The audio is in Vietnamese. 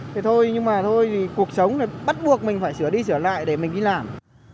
thế thôi nhưng mà thôi thì cuộc sống thì bắt buộc mình phải sửa đi sửa lại để mình đi làm